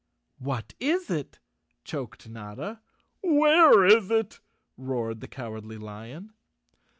"What is it?" choked Notta. "Where is it?" roared the Cowardly Lion.